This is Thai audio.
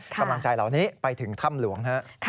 กำลังใจเหล่านี้ไปถึงถ้ำหลวงครับ